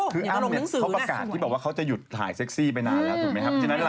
คืออ้ำเนี่ยเขาประกาศที่บอกว่าเขาจะหยุดถ่ายเซ็กซี่ไปนานแล้วถูกไหมครับ